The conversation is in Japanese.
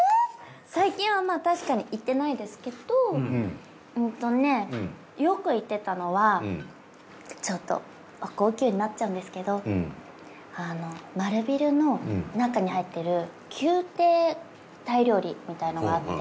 最近はまあ確かに行ってないですけどうんとねよく行ってたのはちょっと高級になっちゃうんですけどあの丸ビルの中に入ってる宮廷タイ料理みたいのがあって。